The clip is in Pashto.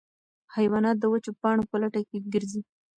حیوانات د وچو پاڼو په لټه کې ګرځي.